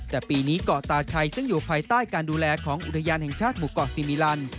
แต่ปีนี้เกาะตาชัยซึ่งอยู่ภายใต้การดูแลของอุทยานแห่งชาติหมู่เกาะซีมิลัน